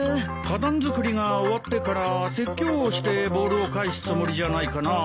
花壇作りが終わってから説教をしてボールを返すつもりじゃないかな？